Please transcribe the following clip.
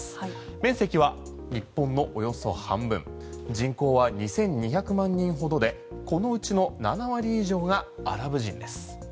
面積は日本のおよそ半分人口は２２００万人ほどでこのうちの７割以上がアラブ人です。